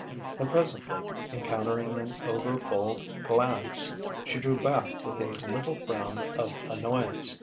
And presently encountering an overbold glance, she drew back with a little frown of annoyance.